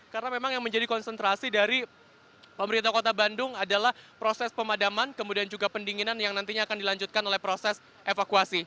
karena memang yang menjadi konsentrasi dari pemerintah kota bandung adalah proses pemadaman kemudian juga pendinginan yang nantinya akan dilanjutkan oleh proses evakuasi